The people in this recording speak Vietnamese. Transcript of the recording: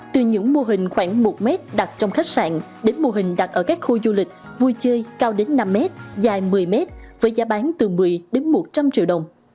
từ những mô hình khoảng một mét đặt trong khách sạn đến mô hình đặt ở các khu du lịch vui chơi cao đến năm mét dài một mươi mét với giá bán từ một mươi đến một trăm linh triệu đồng